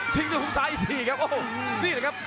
ด้วยฮุกซ้ายอีกทีครับโอ้โหนี่แหละครับ